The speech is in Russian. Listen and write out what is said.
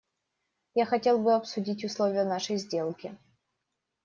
Я хотел бы обсудить условия нашей сделки.